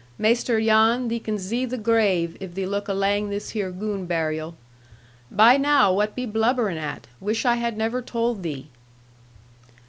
Maister Jan, thee can zee the grave if thee look alang this here goon barryel. Buy now, whutt be blubberin' at? Wish I had never told thee.'